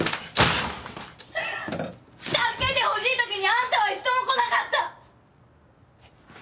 助けてほしい時にあんたは一度も来なかった！